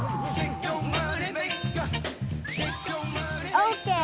オーケー！